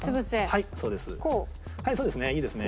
そうですねいいですね。